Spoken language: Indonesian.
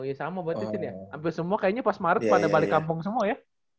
ya sama berarti ya hampir semua kayaknya pas maret pada balik kampung semua ya